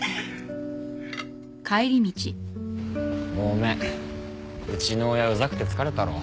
ごめんうちの親うざくて疲れたろ。